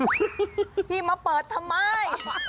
เอ้าพี่มาเปิดทำไม